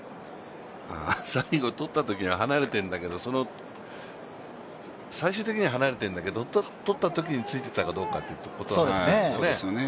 あ、最後とったときには離れてるんだけど、最終的には離れてるんだけどとったときについてたかどうかですよね。